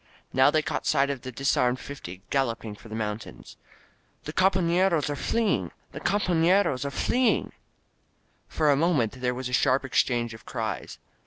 Now they caught sight of the disarmed fifty galloping for the mountains. "The companeros are fleeing! The compafieros are fleeing!" For a moment there was a sharp exchange of cries.